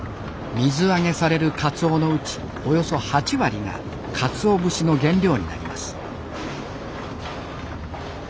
水揚げされるカツオのうちおよそ８割がかつお節の原料になります。